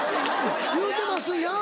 「言うてますやん！」